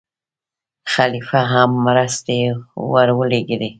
خلیفه هم مرستې ورولېږلې.